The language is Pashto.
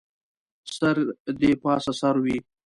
سر دې پاسه سر وي